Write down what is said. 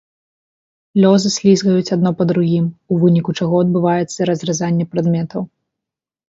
Лёзы слізгаюць адно па другім, у выніку чаго адбываецца разразанне прадметаў.